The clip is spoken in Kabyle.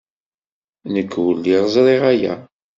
Nekk ur lliɣ ẓriɣ aya.